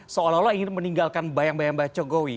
seolah olah ingin meninggalkan bayang bayang mbak jokowi